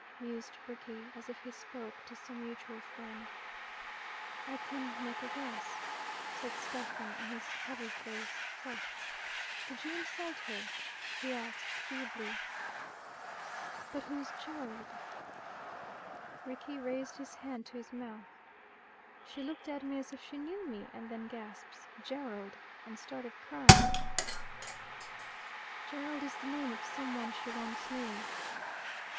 mused Rickie, as if he spoke to some mutual friend. "I can make a guess," said Stephen, and his heavy face flushed. "Did you insult her?" he asked feebly. "But who's Gerald?" Rickie raised his hand to his mouth. "She looked at me as if she knew me, and then gasps 'Gerald,' and started crying." "Gerald is the name of some one she once knew."